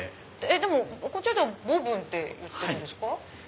でもこちらではボブンって言ってるんですか？